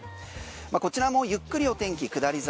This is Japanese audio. こちらもゆっくりお天気下り坂。